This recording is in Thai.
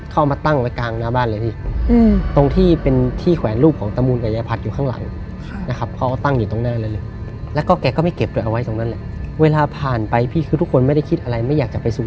เขาเอามาตั้งออกไปกลางหน้าบ้านเลย